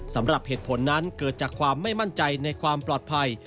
สำหรับเหตุผลนั้นเกิดจากความไม่มั่นใจในความปลอดภัย